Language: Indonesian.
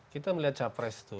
kita melihat capres itu